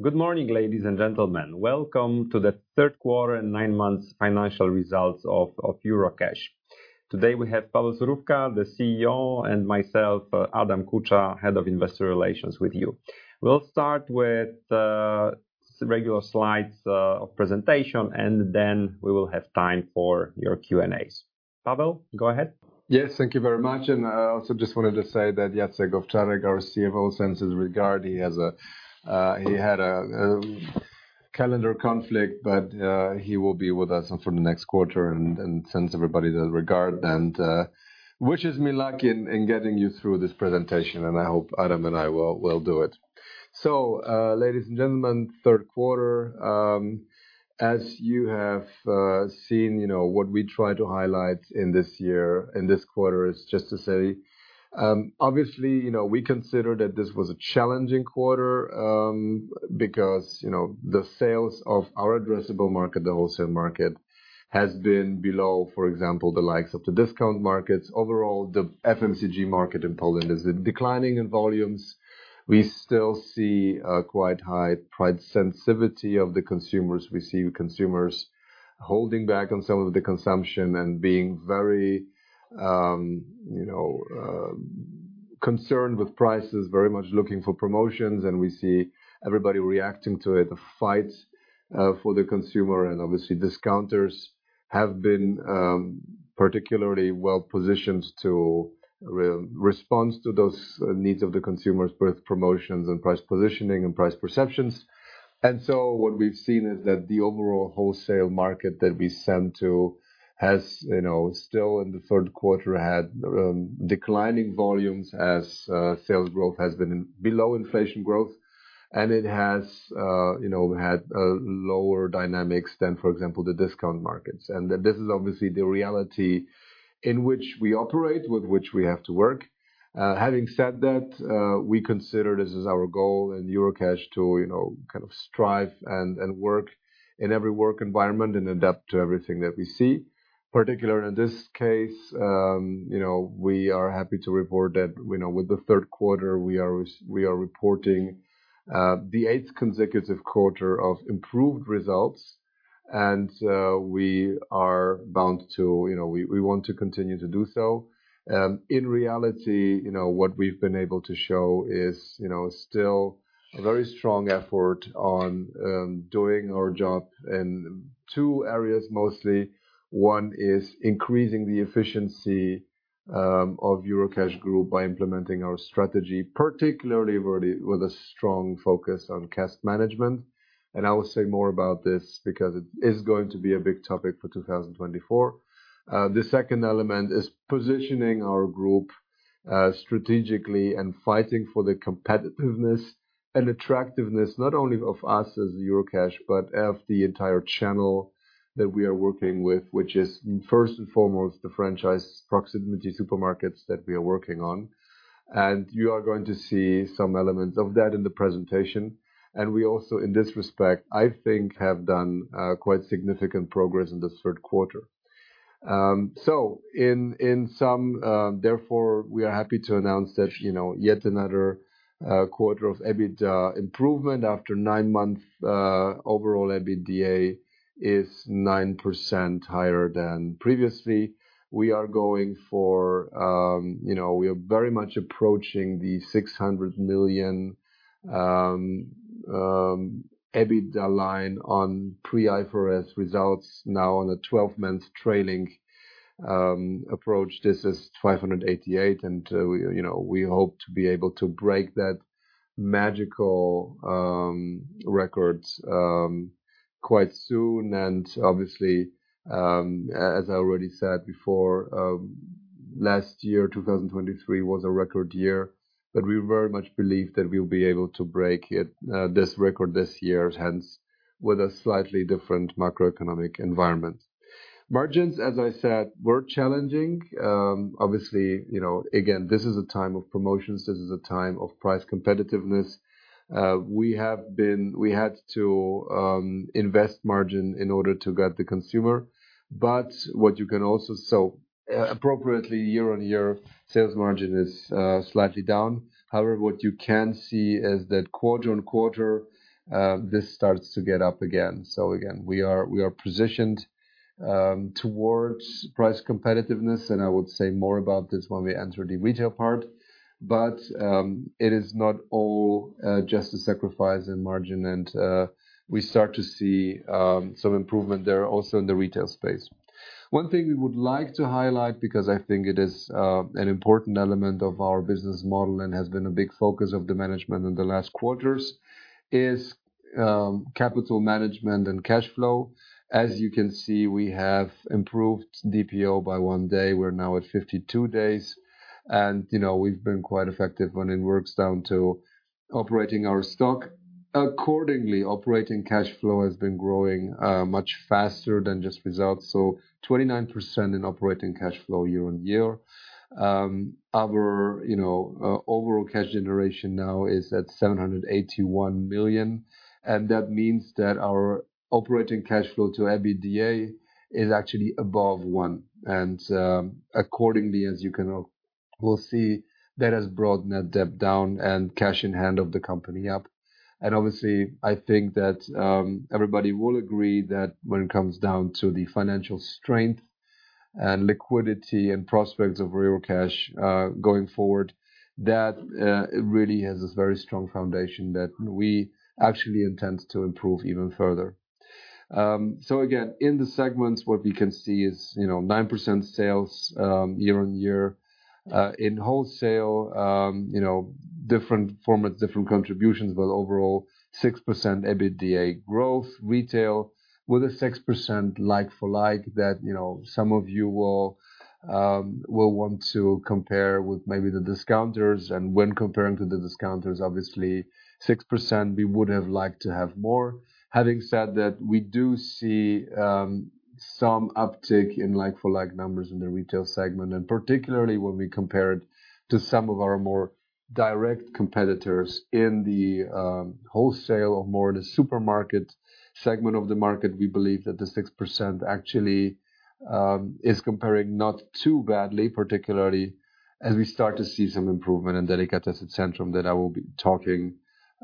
Good morning, ladies and gentlemen. Welcome to the Third Quarter and Nine Months Financial Results of Eurocash. Today, we have Paweł Surówka, the CEO, and myself, Adam Kucza, Head of Investor Relations, with you. We'll start with regular slides of presentation, and then we will have time for your Q&As. Paweł, go ahead. Yes, thank you very much, and I also just wanted to say that Jacek Owczarek, our CFO, sends his regards. He had a calendar conflict, but he will be with us from the next quarter and sends everybody his regards, and wishes me luck in getting you through this presentation. And I hope Adam and I will do it. So, ladies and gentlemen, third quarter, as you have seen, you know, what we try to highlight in this year, in this quarter, is just to say, obviously, you know, we consider that this was a challenging quarter, because, you know, the sales of our addressable market, the wholesale market, has been below, for example, the likes of the discount markets. Overall, the FMCG market in Poland is declining in volumes. We still see a quite high price sensitivity of the consumers. We see consumers holding back on some of the consumption and being very, you know, concerned with prices, very much looking for promotions, and we see everybody reacting to it, the fight for the consumer. And obviously, discounters have been, particularly well-positioned to respond to those, needs of the consumers, both promotions and price positioning and price perceptions. And so what we've seen is that the overall wholesale market that we sell to has, you know, still in the third quarter, had declining volumes as sales growth has been below inflation growth. And it has, you know, had lower dynamics than, for example, the discount markets. And this is obviously the reality in which we operate, with which we have to work. Having said that, we consider this is our goal in Eurocash to, you know, kind of strive and work in every work environment and adapt to everything that we see. Particularly in this case, you know, we are happy to report that, you know, with the third quarter, we are reporting the eighth consecutive quarter of improved results, and we are bound to... You know, we want to continue to do so. In reality, you know, what we've been able to show is, you know, still a very strong effort on doing our job in two areas mostly. One is increasing the efficiency of Eurocash Group by implementing our strategy, particularly with a strong focus on cash management, and I will say more about this because it is going to be a big topic for 2024. The second element is positioning our group strategically and fighting for the competitiveness and attractiveness not only of us as Eurocash, but of the entire channel that we are working with, which is first and foremost, the franchise proximity supermarkets that we are working on. You are going to see some elements of that in the presentation. We also, in this respect, I think, have done quite significant progress in this third quarter. So in sum, therefore, we are happy to announce that, you know, yet another quarter of EBITDA improvement after nine months, overall, EBITDA is 9% higher than previously. We are going for, you know, we are very much approaching the 600 million EBITDA line on pre-IFRS results now on a 12-month trailing approach. This is 588 million, and, you know, we hope to be able to break that magical records quite soon. Obviously, as I already said before, last year, 2023, was a record year, but we very much believe that we'll be able to break it, this record this year, hence, with a slightly different macroeconomic environment. Margins, as I said, were challenging. Obviously, you know, again, this is a time of promotions. This is a time of price competitiveness. We have been... We had to invest margin in order to get the consumer. But what you can also see, appropriately year-on-year, sales margin is slightly down. However, what you can see is that quarter-on-quarter this starts to get up again. So again, we are, we are positioned towards price competitiveness, and I will say more about this when we enter the retail part. But it is not all just a sacrifice in margin, and we start to see some improvement there also in the retail space. One thing we would like to highlight, because I think it is an important element of our business model and has been a big focus of the management in the last quarters, is capital management and cash flow. As you can see, we have improved DPO by one day. We're now at 52 days, and, you know, we've been quite effective when it works down to operating our stock. Accordingly, operating cash flow has been growing much faster than just results, so 29% in operating cash flow year-on-year. Our, you know, overall cash generation now is at 781 million, and that means that our operating cash flow to EBITDA is actually above one. And, accordingly, as you can... We'll see that has brought net debt down and cash in hand of the company up. And obviously, I think that, everybody will agree that when it comes down to the financial strength and liquidity and prospects of Eurocash, going forward, that, it really has this very strong foundation that we actually intend to improve even further. So again, in the segments, what we can see is, you know, 9% sales, year-on-year. In wholesale, you know, different formats, different contributions, but overall, 6% EBITDA growth. Retail with a 6% like-for-like that, you know, some of you will want to compare with maybe the discounters. And when comparing to the discounters, obviously 6% we would have liked to have more. Having said that, we do see some uptick in like-for-like numbers in the retail segment, and particularly when we compare it to some of our more direct competitors in the wholesale or more in the supermarket segment of the market. We believe that the 6% actually is comparing not too badly, particularly as we start to see some improvement in Delikatesy Centrum that I will be talking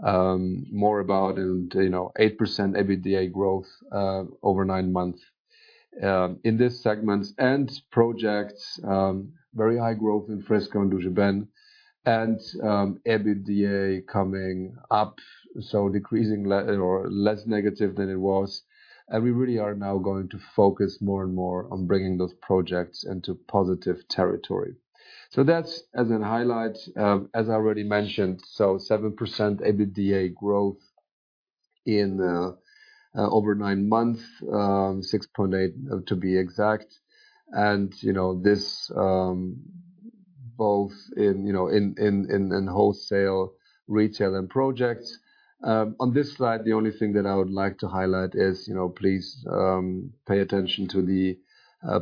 more about. And, you know, 8% EBITDA growth over nine months in this segment. And projects very high growth in Frisco and Duży Ben and EBITDA coming up, so decreasing less negative than it was. And we really are now going to focus more and more on bringing those projects into positive territory. So that's a highlight, as I already mentioned, so 7% EBITDA growth in over nine months, 6.8, to be exact. And, you know, this both in wholesale, retail, and projects. On this slide, the only thing that I would like to highlight is, you know, please pay attention to the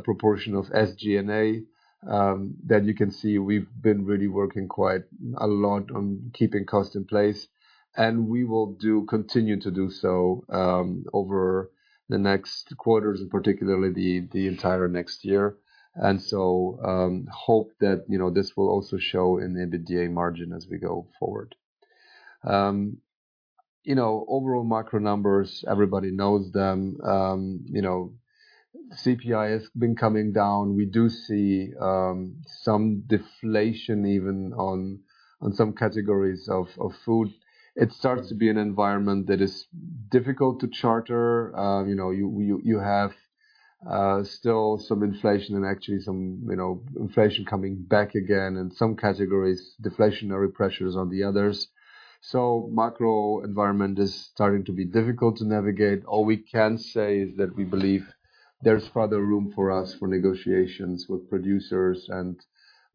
proportion of SG&A. That you can see we've been really working quite a lot on keeping costs in place, and we will continue to do so over the next quarters, and particularly the entire next year. And so, hope that, you know, this will also show in the EBITDA margin as we go forward. You know, overall macro numbers, everybody knows them. You know, CPI has been coming down. We do see some deflation even on some categories of food. It starts to be an environment that is difficult to chart. You know, you have still some inflation and actually some inflation coming back again in some categories, deflationary pressures on the others. So macro environment is starting to be difficult to navigate. All we can say is that we believe there's further room for us for negotiations with producers and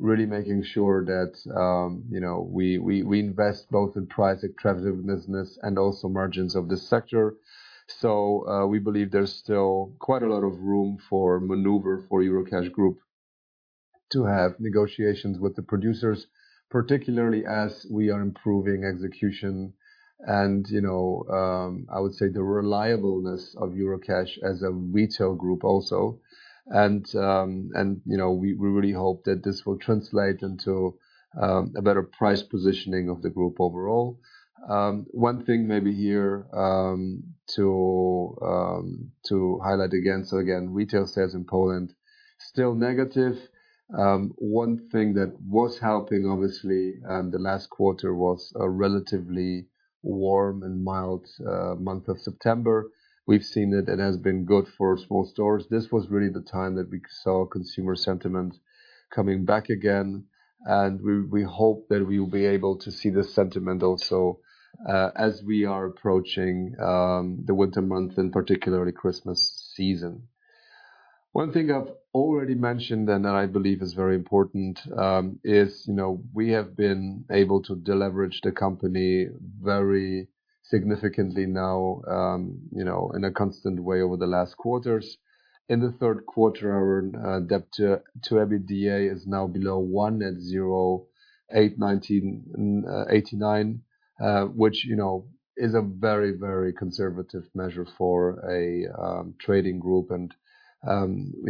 really making sure that, you know, we invest both in price attractive business and also margins of this sector. So, we believe there's still quite a lot of room for maneuver for Eurocash Group to have negotiations with the producers, particularly as we are improving execution. And, you know, I would say the reliableness of Eurocash as a retail group also. You know, we really hope that this will translate into a better price positioning of the group overall. One thing maybe here to highlight again, so again, retail sales in Poland still negative. One thing that was helping, obviously, the last quarter was a relatively warm and mild month of September. We've seen it. It has been good for small stores. This was really the time that we saw consumer sentiment coming back again, and we hope that we will be able to see this sentiment also as we are approaching the winter month and particularly Christmas season. One thing I've already mentioned, and that I believe is very important, is, you know, we have been able to deleverage the company very significantly now, you know, in a constant way over the last quarters. In the third quarter, our debt to EBITDA is now below 1 at 0.81989. Which, you know, is a very, very conservative measure for a trading group. And,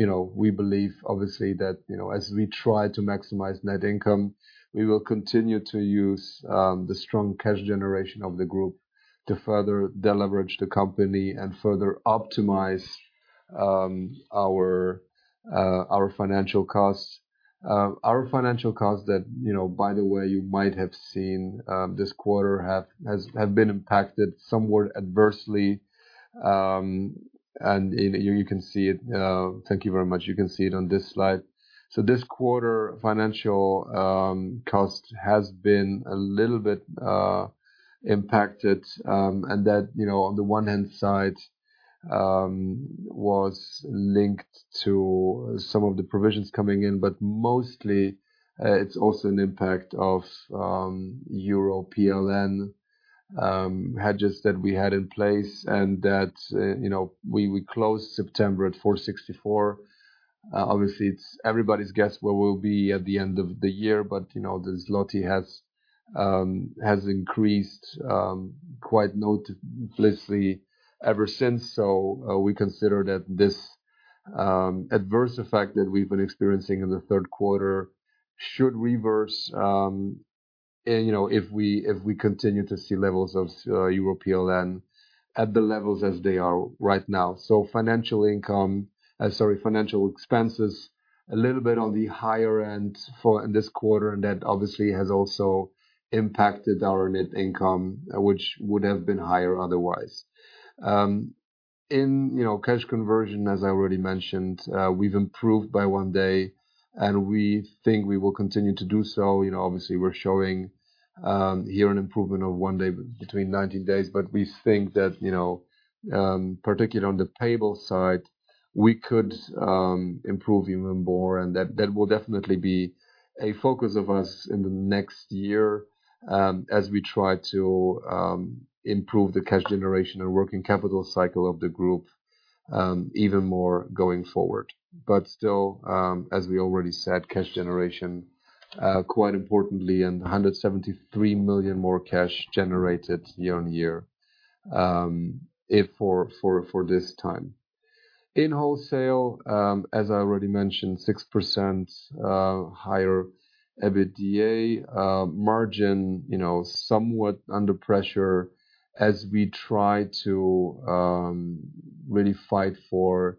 you know, we believe obviously that, you know, as we try to maximize net income, we will continue to use the strong cash generation of the group to further deleverage the company and further optimize our financial costs. Our financial costs that, you know, by the way, you might have seen, this quarter have been impacted somewhat adversely. And here you can see it... Thank you very much. You can see it on this slide. So this quarter, financial cost has been a little bit impacted, and that, you know, on the one hand side, was linked to some of the provisions coming in, but mostly, it's also an impact of, EUR/PLN hedges that we had in place and that, you know, we, we closed September at 4.64. Obviously, it's everybody's guess where we'll be at the end of the year, but, you know, the zloty has increased quite noticeably ever since. So, we consider that this, adverse effect that we've been experiencing in the third quarter should reverse, you know, if we, if we continue to see levels of, EUR/PLN at the levels as they are right now. So financial income, sorry, financial expenses, a little bit on the higher end for in this quarter, and that obviously has also impacted our net income, which would have been higher otherwise. In, you know, cash conversion, as I already mentioned, we've improved by one day, and we think we will continue to do so. You know, obviously, we're showing, here an improvement of one day between 19 days, but we think that, you know, particularly on the payable side, we could, improve even more. And that, that will definitely be a focus of us in the next year, as we try to, improve the cash generation and working capital cycle of the group, even more going forward. But still, as we already said, cash generation, quite importantly, and 173 million more cash generated year-on-year, if for this time. In wholesale, as I already mentioned, 6% higher EBITDA margin, you know, somewhat under pressure as we try to really fight for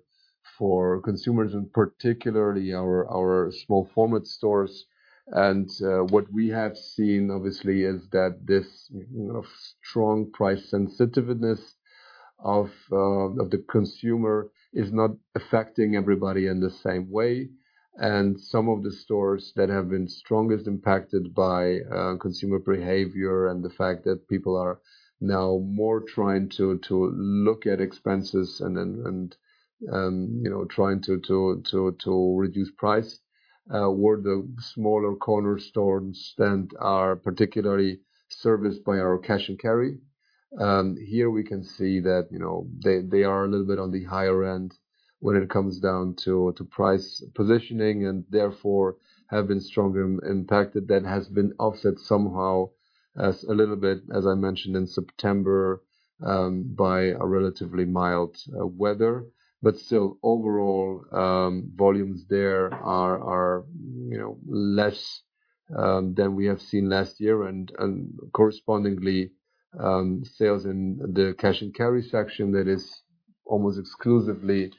consumers and particularly our small format stores. And what we have seen, obviously, is that this, you know, strong price sensitiveness of the consumer is not affecting everybody in the same way. And some of the stores that have been strongest impacted by consumer behavior and the fact that people are now more trying to look at expenses and then, you know, trying to reduce price were the smaller corner stores that are particularly serviced by our Cash and Carry. Here we can see that, you know, they are a little bit on the higher end when it comes down to price positioning and therefore have been stronger impacted. That has been offset somehow as a little bit, as I mentioned in September, by a relatively mild weather. But still, overall, volumes there are, you know, less than we have seen last year. And correspondingly, sales in the Cash and Carry section that is almost exclusively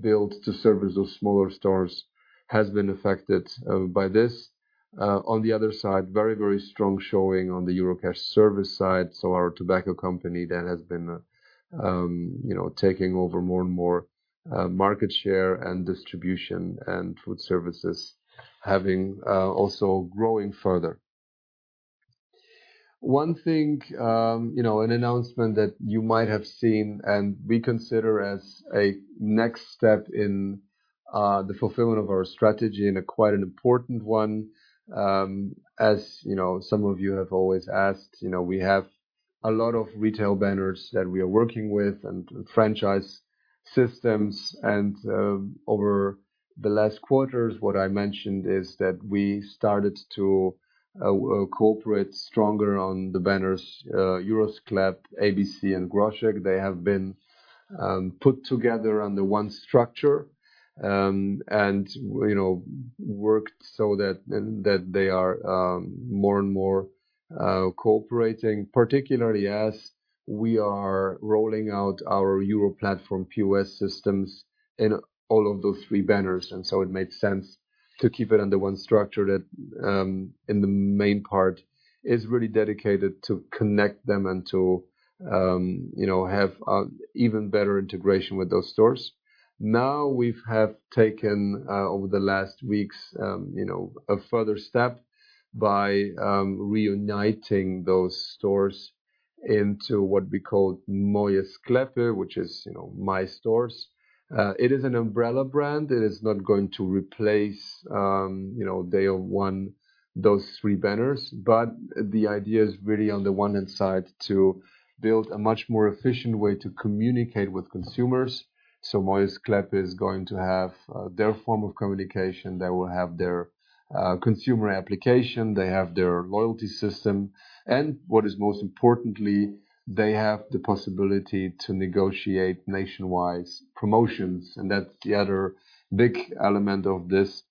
built to service those smaller stores has been affected by this. On the other side, very, very strong showing on the Eurocash Serwis side. So our tobacco company that has been, you know, taking over more and more market share and distribution, and food services having also growing further. One thing, you know, an announcement that you might have seen and we consider as a next step in, the fulfillment of our strategy, and quite an important one. As you know, some of you have always asked, you know, we have a lot of retail banners that we are working with and franchise systems. Over the last quarters, what I mentioned is that we started to, cooperate stronger on the banners, Euro Sklep, ABC, and Groszek. They have been, put together under one structure, and, you know, worked so that, that they are, more and more, cooperating. Particularly as we are rolling out our EuroPlatform POS systems in all of those three banners. And so it made sense to keep it under one structure that, in the main part, is really dedicated to connect them and to, you know, have even better integration with those stores. Now, we've have taken over the last weeks, you know, a further step by reuniting those stores into what we call Moje Sklepy, which is, you know, My Stores. It is an umbrella brand. It is not going to replace, you know, day one, those three banners. But the idea is really, on the one hand side, to build a much more efficient way to communicate with consumers. So Moje Sklepy is going to have their form of communication. They will have their consumer application, they have their loyalty system, and what is most importantly, they have the possibility to negotiate nationwide promotions, and that's the other big element of this.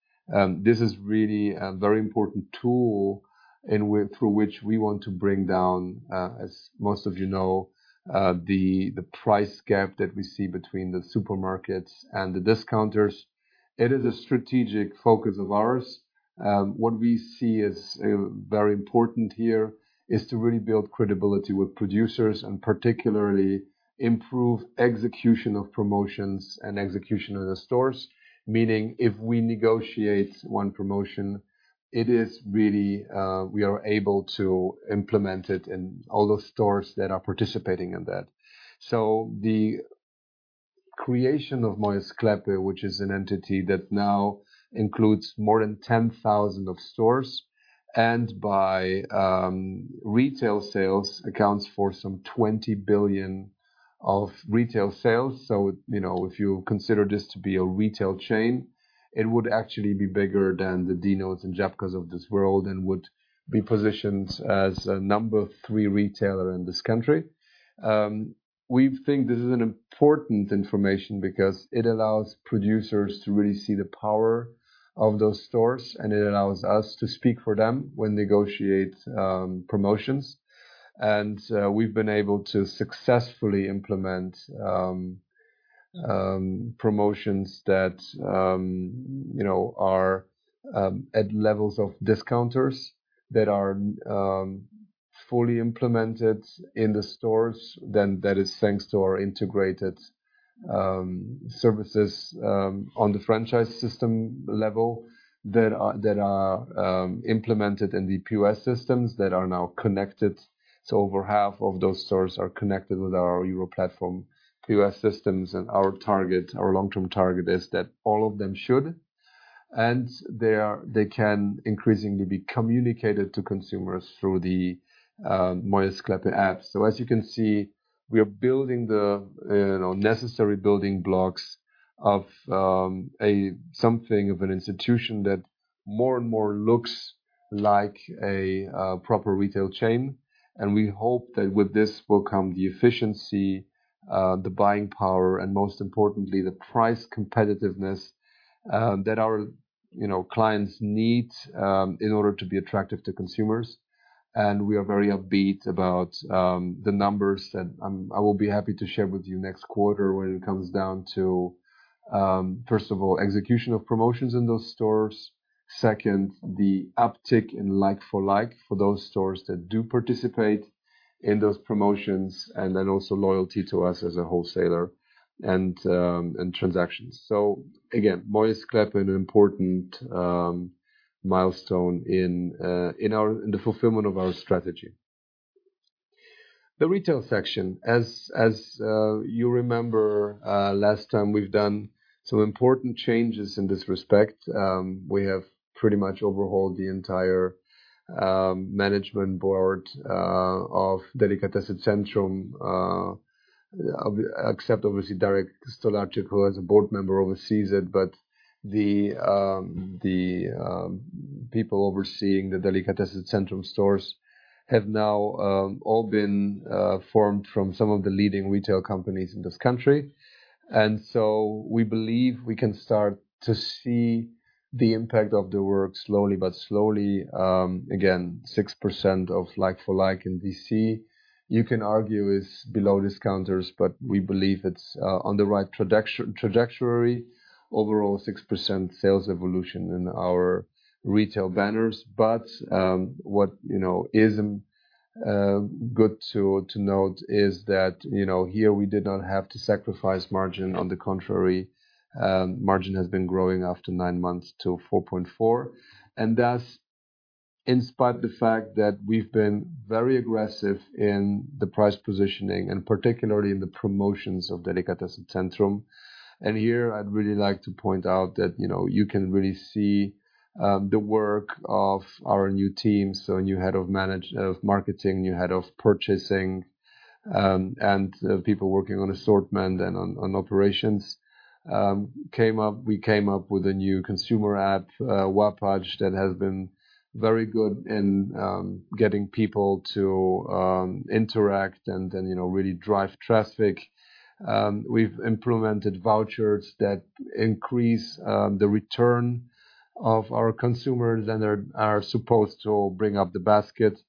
This is really a very important tool through which we want to bring down, as most of you know, the price gap that we see between the supermarkets and the discounters. It is a strategic focus of ours. What we see as very important here is to really build credibility with producers and particularly improve execution of promotions and execution of the stores. Meaning, if we negotiate one promotion, it is really we are able to implement it in all those stores that are participating in that. So the creation of Moje Sklepy, which is an entity that now includes more than 10,000 stores, and by retail sales, accounts for some 20 billion of retail sales. So, you know, if you consider this to be a retail chain, it would actually be bigger than the Dinos and Żabkas of this world, and would be positioned as a number three retailer in this country. We think this is an important information because it allows producers to really see the power of those stores, and it allows us to speak for them when negotiate promotions. We've been able to successfully implement promotions that, you know, are at levels of discounters that are fully implemented in the stores. That is thanks to our integrated services on the franchise system level that are implemented in the POS systems that are now connected. So over half of those stores are connected with our EuroPlatform POS systems, and our target, our long-term target, is that all of them should. They can increasingly be communicated to consumers through the Moje Sklepy app. So as you can see, we are building the, you know, necessary building blocks of a something of an institution that more and more looks like a proper retail chain. And we hope that with this will come the efficiency, the buying power, and most importantly, the price competitiveness, that our, you know, clients need, in order to be attractive to consumers. And we are very upbeat about, the numbers that I will be happy to share with you next quarter when it comes down to, first of all, execution of promotions in those stores. Second, the uptick in like-for-like for those stores that do participate in those promotions, and then also loyalty to us as a wholesaler, and, and transactions. So again, Moje Sklepy, an important, milestone in, in our, in the fulfillment of our strategy. The retail section. As you remember, last time, we've done some important changes in this respect. We have pretty much overhauled the entire management board of Delikatesy Centrum, except obviously Darek Stolarczyk, who, as a board member, oversees it. But the people overseeing the Delikatesy Centrum stores have now all been formed from some of the leading retail companies in this country. And so we believe we can start to see the impact of the work slowly, but slowly. Again, 6% like-for-like in DC, you can argue is below discounters, but we believe it's on the right trajectory. Overall, 6% sales evolution in our retail banners. But what you know is good to note is that you know, here we did not have to sacrifice margin. On the contrary, margin has been growing after nine months to 4.4%, and that's in spite of the fact that we've been very aggressive in the price positioning, and particularly in the promotions of Delikatesy Centrum. And here I'd really like to point out that, you know, you can really see the work of our new team. So a new head of marketing, new head of purchasing, and the people working on assortment and on operations. We came up with a new consumer app, Łappacz, that has been very good in getting people to interact and then, you know, really drive traffic. We've implemented vouchers that increase the return of our consumers, and they are supposed to bring up the basket.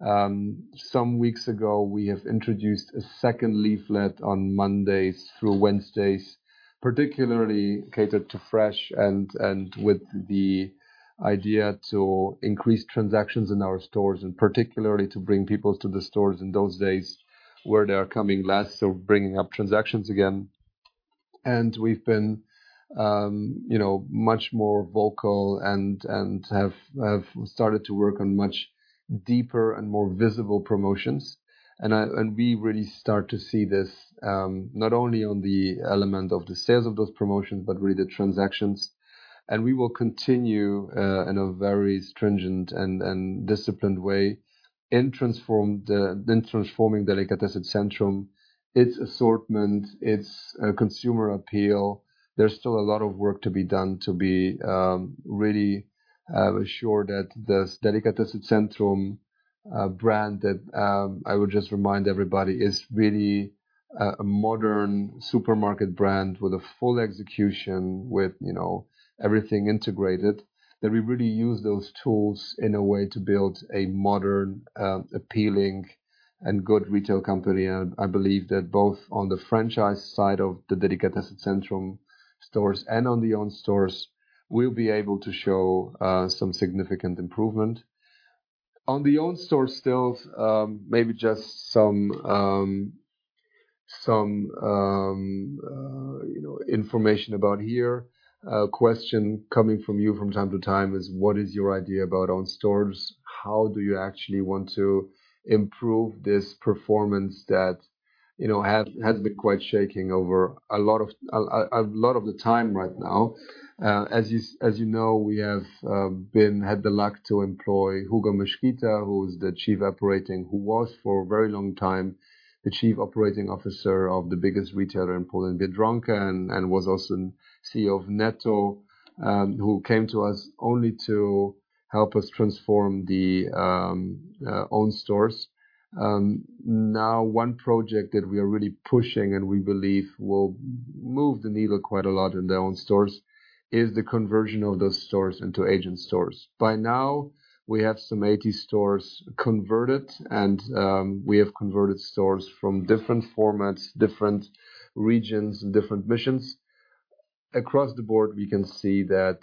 Some weeks ago, we have introduced a second leaflet on Mondays through Wednesdays, particularly catered to fresh and with the idea to increase transactions in our stores, and particularly to bring people to the stores in those days where they are coming less, so bringing up transactions again. And we've been, you know, much more vocal and have started to work on much deeper and more visible promotions. And we really start to see this, not only on the element of the sales of those promotions, but really the transactions. And we will continue in a very stringent and disciplined way in transforming Delikatesy Centrum, its assortment, its consumer appeal. There's still a lot of work to be done to be really sure that this Delikatesy Centrum brand, that I would just remind everybody, is really a modern supermarket brand with a full execution, with, you know, everything integrated, that we really use those tools in a way to build a modern appealing and good retail company. And I believe that both on the franchise side of the Delikatesy Centrum stores and on the owned stores, we'll be able to show some significant improvement. On the owned stores, still, maybe just some you know information about here. A question coming from you from time to time is: What is your idea about own stores? How do you actually want to improve this performance that. You know, has been quite shaking over a lot of the time right now. As you know, we have had the luck to employ Hugo Mesquita, who is the Chief Operating, who was for a very long time, the Chief Operating Officer of the biggest retailer in Poland, Biedronka, and was also CEO of Netto, who came to us only to help us transform the own stores. Now one project that we are really pushing, and we believe will move the needle quite a lot in their own stores, is the conversion of those stores into agent stores. By now, we have some 80 stores converted, and we have converted stores from different formats, different regions, and different missions. Across the board, we can see that,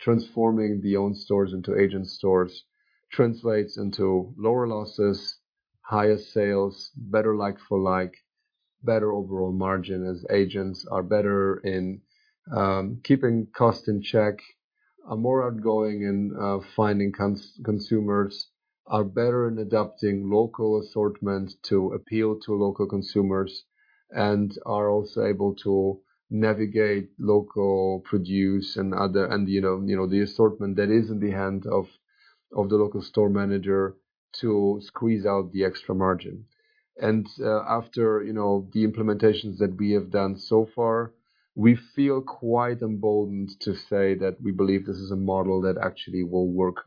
transforming the own stores into agent stores translates into lower losses, higher sales, better like-for-like, better overall margin, as agents are better in, keeping costs in check, are more outgoing in, finding consumers, are better in adapting local assortment to appeal to local consumers, and are also able to navigate local produce and other... And, you know, you know, the assortment that is in the hand of, of the local store manager to squeeze out the extra margin. And, after, you know, the implementations that we have done so far, we feel quite emboldened to say that we believe this is a model that actually will work,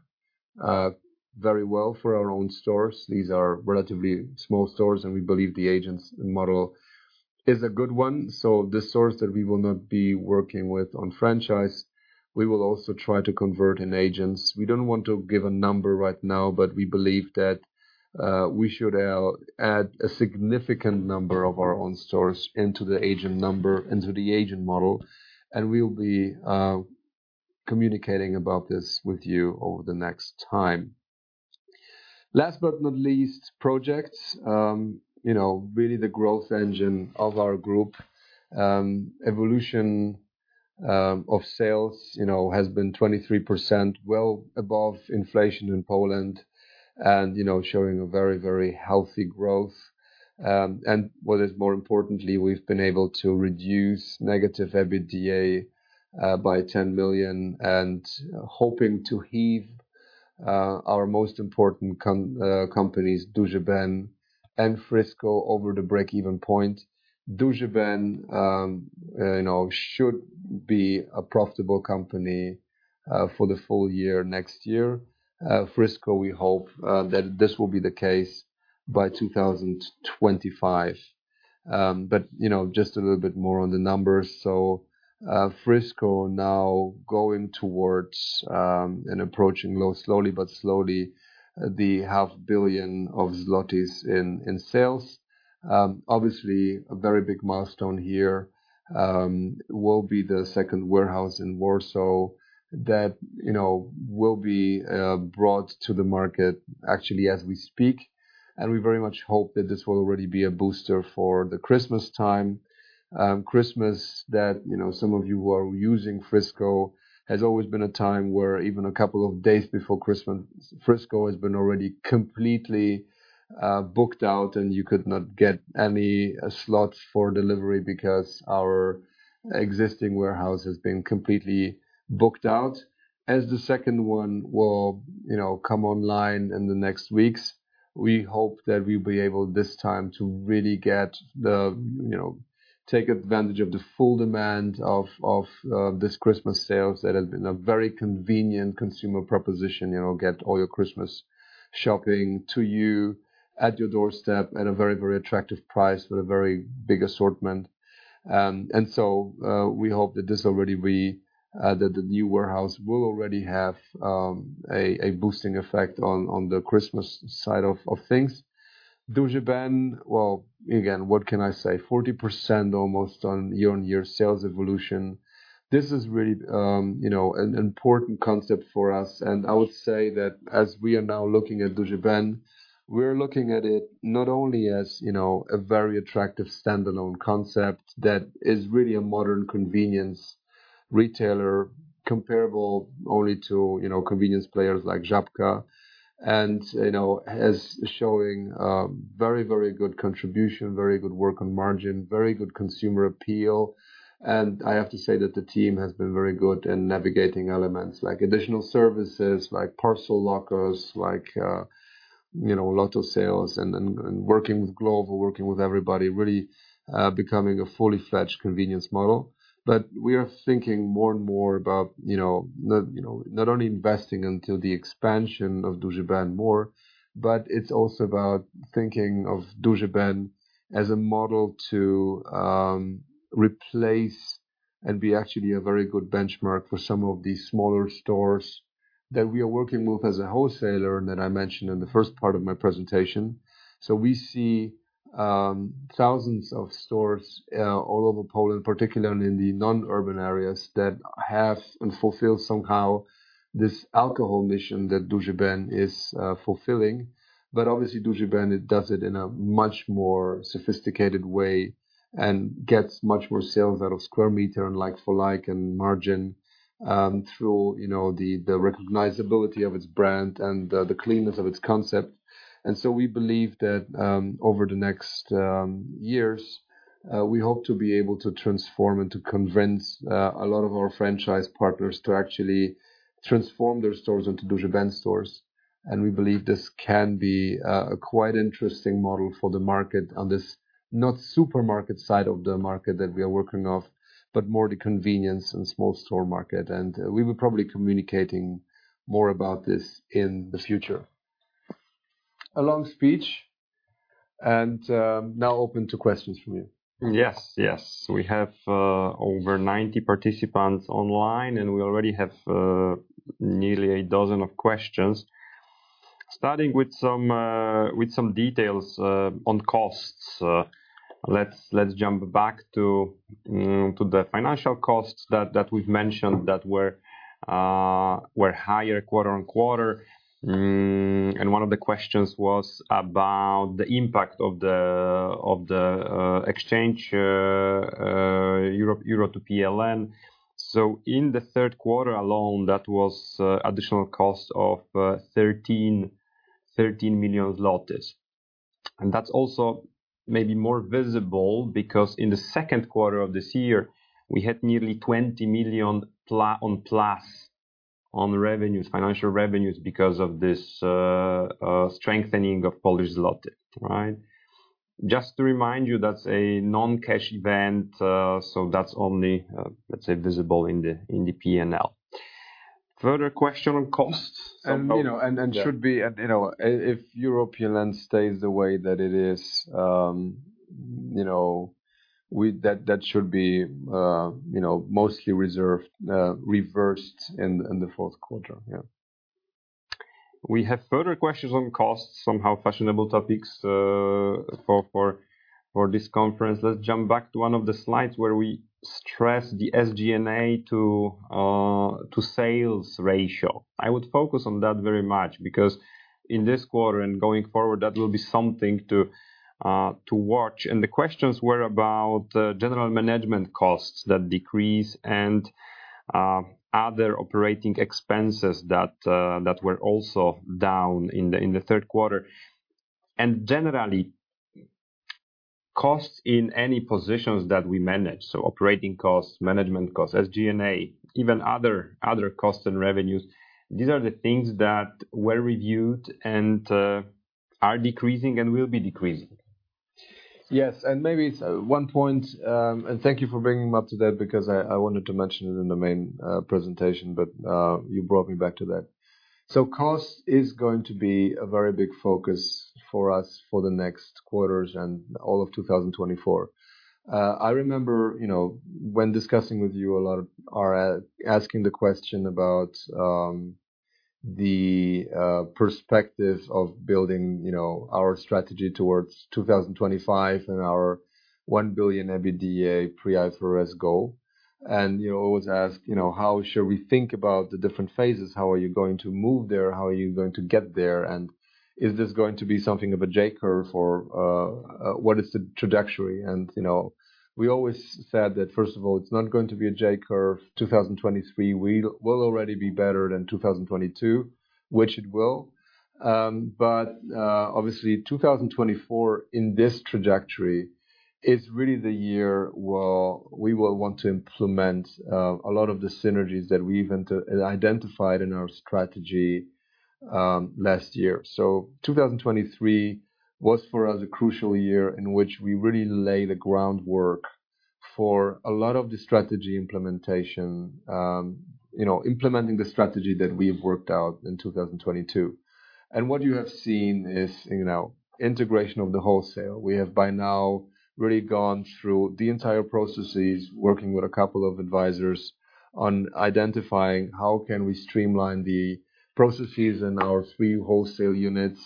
very well for our own stores. These are relatively small stores, and we believe the agents model is a good one. So the stores that we will not be working with on franchise, we will also try to convert in agents. We don't want to give a number right now, but we believe that, we should, add a significant number of our own stores into the agent number, into the agent model, and we will be, communicating about this with you over the next time. Last but not least, projects. You know, really the growth engine of our group. Evolution, of sales, you know, has been 23%, well above inflation in Poland, and, you know, showing a very, very healthy growth. And what is more importantly, we've been able to reduce negative EBITDA, by 10 million, and hoping to have, our most important com, companies, Duży Ben and Frisco, over the break-even point. Duży Ben, you know, should be a profitable company for the full year next year. Frisco, we hope that this will be the case by 2025. But, you know, just a little bit more on the numbers. So, Frisco now going towards and approaching slowly but slowly, 500 million zlotys in sales. Obviously, a very big milestone here will be the second warehouse in Warsaw that, you know, will be brought to the market actually as we speak, and we very much hope that this will already be a booster for the Christmas time. Christmas that, you know, some of you who are using Frisco, has always been a time where even a couple of days before Christmas, Frisco has been already completely booked out, and you could not get any slots for delivery because our existing warehouse has been completely booked out. As the second one will, you know, come online in the next weeks, we hope that we'll be able, this time, to really get the, you know, take advantage of the full demand of this Christmas sales. That has been a very convenient consumer proposition. You know, get all your Christmas shopping to you at your doorstep, at a very, very attractive price, with a very big assortment. So, we hope that the new warehouse will already have a boosting effect on the Christmas side of things. Duży Ben, well, again, what can I say? Almost 40% year-on-year sales evolution. This is really, you know, an important concept for us, and I would say that as we are now looking at Duży Ben, we're looking at it not only as, you know, a very attractive standalone concept that is really a modern convenience retailer, comparable only to, you know, convenience players like Żabka. And, you know, as showing very, very good contribution, very good work on margin, very good consumer appeal. And I have to say that the team has been very good in navigating elements, like additional services, like parcel lockers, like, you know, Lotto sales, and then, and working with Glovo, working with everybody, really, becoming a fully fledged convenience model. But we are thinking more and more about, you know, not, you know, not only investing into the expansion of Duży Ben more, but it's also about thinking of Duży Ben as a model to, replace and be actually a very good benchmark for some of these smaller stores that we are working with as a wholesaler, and that I mentioned in the first part of my presentation. So we see, thousands of stores, all over Poland, particularly in the non-urban areas, that have and fulfill somehow this alcohol mission that Duży Ben is, fulfilling. But obviously, Duży Ben, it does it in a much more sophisticated way, and gets much more sales out of square meter and like-for-like, and margin, through, you know, the recognizability of its brand and the cleanness of its concept. And so we believe that, over the next years, we hope to be able to transform and to convince a lot of our franchise partners to actually transform their stores into Duży Ben stores. And we believe this can be a quite interesting model for the market on this not supermarket side of the market that we are working off, but more the convenience and small store market. And we will probably communicating more about this in the future. A long speech, and now open to questions from you. Yes. Yes. We have over 90 participants online, and we already have nearly a dozen of questions. Starting with some details on costs. Let's jump back to the financial costs that we've mentioned that were higher quarter-over-quarter. One of the questions was about the impact of the exchange, euro to PLN. In the third quarter alone, that was additional cost of 13 million. That's also maybe more visible because in the second quarter of this year, we had nearly 20 million plus on revenues, financial revenues, because of this strengthening of Polish zloty, right? Just to remind you, that's a non-cash event, so that's only, let's say, visible in the P&L. Further question on costs? You know, if EUR/PLN stays the way that it is, you know, we... That should be, you know, mostly reserved, reversed in the fourth quarter. Yeah. We have further questions on costs, somehow fashionable topics, for this conference. Let's jump back to one of the slides where we stress the SG&A to sales ratio. I would focus on that very much because in this quarter and going forward, that will be something to watch. And the questions were about general management costs, that decrease and other operating expenses that were also down in the third quarter. And generally, costs in any positions that we manage, so operating costs, management costs, SG&A, even other costs and revenues, these are the things that were reviewed and are decreasing and will be decreasing. Yes, and maybe one point, and thank you for bringing me up to that, because I, I wanted to mention it in the main presentation, but you brought me back to that. So cost is going to be a very big focus for us for the next quarters and all of 2024. I remember, you know, when discussing with you a lot of, or asking the question about the perspective of building, you know, our strategy towards 2025 and our 1 billion EBITDA pre-IFRS goal, and you always ask, you know, "How should we think about the different phases? How are you going to move there? How are you going to get there? And is this going to be something of a J-curve or, what is the trajectory?" You know, we always said that, first of all, it's not going to be a J-curve. 2023, we will already be better than 2022, which it will. But, obviously, 2024, in this trajectory, is really the year where we will want to implement a lot of the synergies that we've identified in our strategy last year. So 2023 was, for us, a crucial year in which we really lay the groundwork for a lot of the strategy implementation. You know, implementing the strategy that we've worked out in 2022. What you have seen is, you know, integration of the wholesale. We have, by now, really gone through the entire processes, working with a couple of advisors on identifying how can we streamline the processes in our three wholesale units.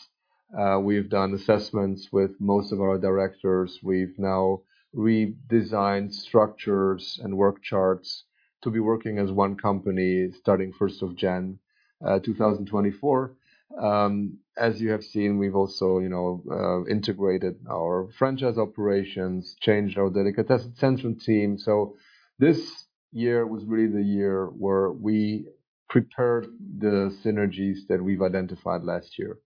We've done assessments with most of our directors. We've now redesigned structures and work charts to be working as one company, starting first of January 2024. As you have seen, we've also, you know, integrated our franchise operations, changed our dedicated Centrum team. So this year was really the year where we prepared the synergies that we've identified last year.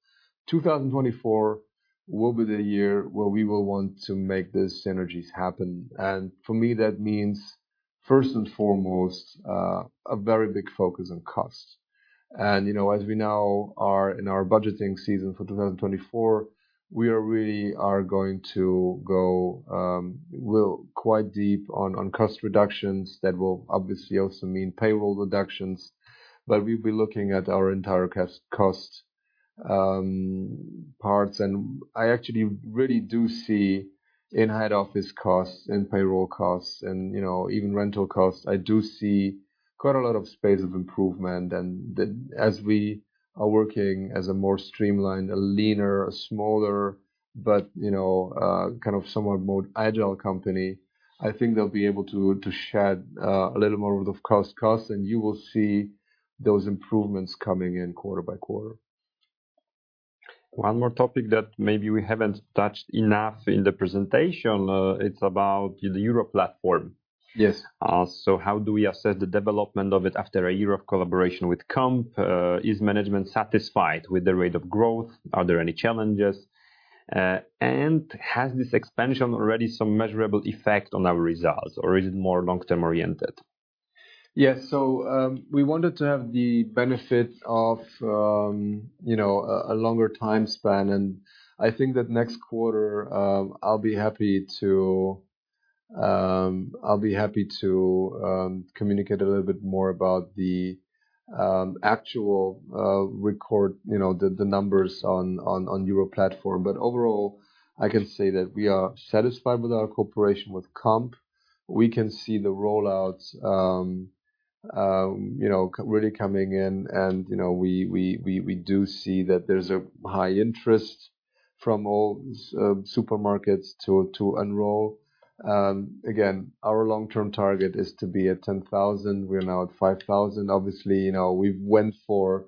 2024 will be the year where we will want to make these synergies happen, and for me, that means, first and foremost, a very big focus on costs. You know, as we now are in our budgeting season for 2024, we are really going to go, well, quite deep on cost reductions. That will obviously also mean payroll reductions, but we'll be looking at our entire costs, parts. And I actually really do see in head office costs and payroll costs and, you know, even rental costs, I do see quite a lot of space of improvement. As we are working as a more streamlined, a leaner, a smaller, but, you know, kind of somewhat more agile company, I think they'll be able to shed a little more of the costs, and you will see those improvements coming in quarter by quarter. One more topic that maybe we haven't touched enough in the presentation, it's about the EuroPlatform. Yes. So how do we assess the development of it after a year of collaboration with COMP? Is management satisfied with the rate of growth? Are there any challenges? And has this expansion already some measurable effect on our results, or is it more long-term oriented? Yes. So, we wanted to have the benefit of, you know, a longer time span, and I think that next quarter, I'll be happy to, I'll be happy to, communicate a little bit more about the actual record, you know, the, the numbers on, on, on EuroPlatform. But overall, I can say that we are satisfied with our cooperation with COMP. We can see the rollouts, you know, really coming in, and, you know, we do see that there's a high interest from all supermarkets to enroll. Again, our long-term target is to be at 10,000. We're now at 5,000. Obviously, you know, we went for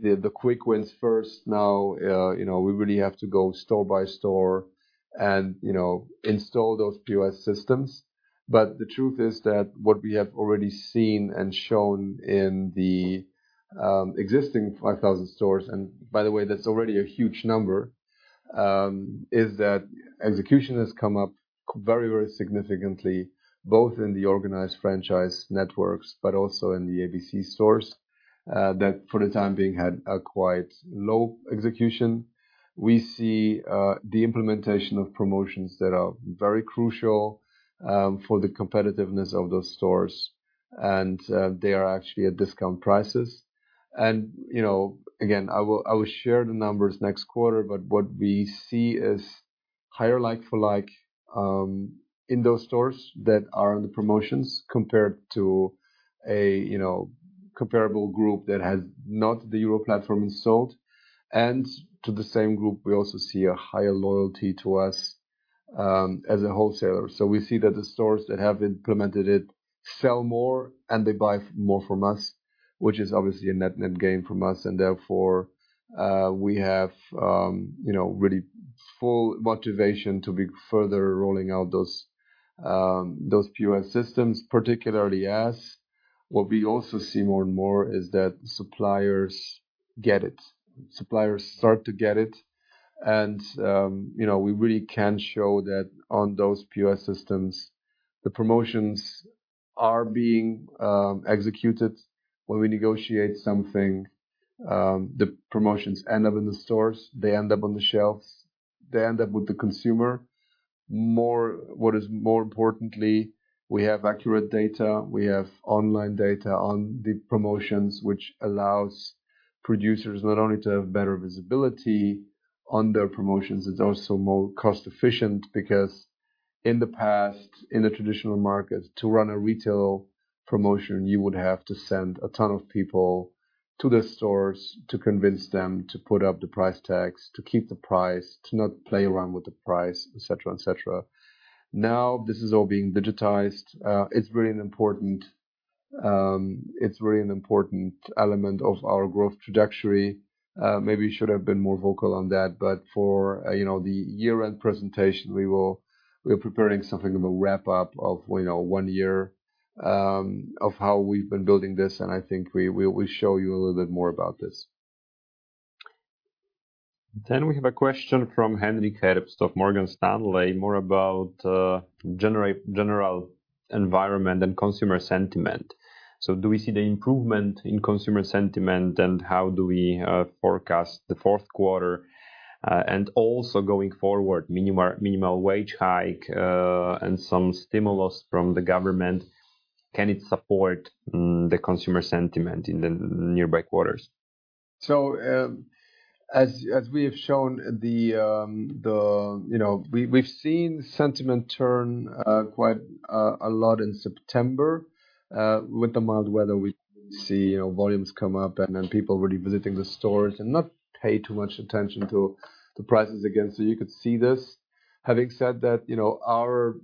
the quick wins first. Now, you know, we really have to go store by store and, you know, install those POS systems. But the truth is that what we have already seen and shown in the existing 5,000 stores, and by the way, that's already a huge number, is that execution has come up very, very significantly, both in the organized franchise networks, but also in the ABC stores that for the time being had a quite low execution. We see the implementation of promotions that are very crucial for the competitiveness of those stores, and they are actually at discount prices. And, you know, again, I will, I will share the numbers next quarter, but what we see is higher like-for-like in those stores that are on the promotions compared to a, you know, comparable group that has not the EuroPlatform installed. And to the same group, we also see a higher loyalty to us as a wholesaler. So we see that the stores that have implemented it sell more, and they buy more from us, which is obviously a net, net gain from us, and therefore, we have, you know, really full motivation to be further rolling out those, those POS systems. Particularly as, what we also see more and more is that suppliers get it. Suppliers start to get it, and, you know, we really can show that on those POS systems, the promotions are being executed. When we negotiate something, the promotions end up in the stores, they end up on the shelves, they end up with the consumer. What is more importantly, we have accurate data, we have online data on the promotions, which allows producers not only to have better visibility on their promotions, it's also more cost-efficient. Because in the past, in the traditional markets, to run a retail promotion, you would have to send a ton of people to the stores to convince them to put up the price tags, to keep the price, to not play around with the price, et cetera, et cetera. Now, this is all being digitized. It's really an important, it's really an important element of our growth trajectory. Maybe we should have been more vocal on that, but for, you know, the year-end presentation, we will-- we are preparing something of a wrap-up of, you know, one year, of how we've been building this, and I think we, we, we'll show you a little bit more about this. Then we have a question from Henrik Herbst of Morgan Stanley, more about general environment and consumer sentiment. So do we see the improvement in consumer sentiment, and how do we forecast the fourth quarter? And also going forward, minimal wage hike, and some stimulus from the government, can it support the consumer sentiment in the nearby quarters? So, as we have shown, the... You know, we've seen sentiment turn quite a lot in September. With the mild weather, we see, you know, volumes come up and then people really visiting the stores and not pay too much attention to the prices again. So you could see this. Having said that, you know, our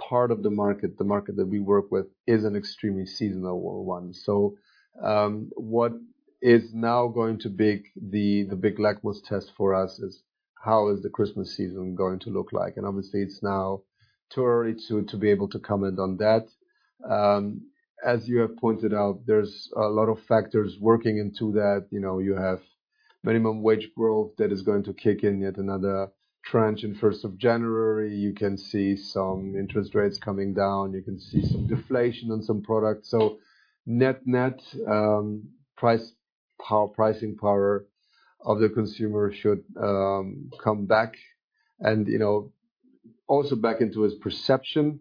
part of the market, the market that we work with, is an extremely seasonal one. So, what is now going to be the big litmus test for us is: How is the Christmas season going to look like? And obviously, it's now too early to be able to comment on that. As you have pointed out, there's a lot of factors working into that. You know, you have minimum wage growth that is going to kick in yet another tranche in first of January. You can see some interest rates coming down. You can see some deflation on some products. So net-net, pricing power of the consumer should come back and, you know, also back into its perception.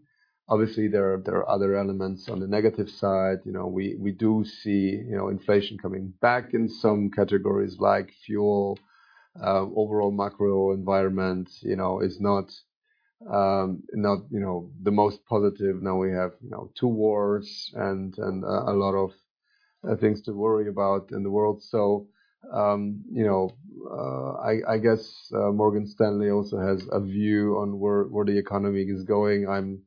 Obviously, there are other elements on the negative side. You know, we do see, you know, inflation coming back in some categories like fuel. Overall macro environment, you know, is not, you know, the most positive. Now we have, you know, two wars and a lot of things to worry about in the world. So, you know, I guess, Morgan Stanley also has a view on where the economy is going. I'm-...